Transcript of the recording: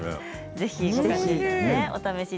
ぜひ。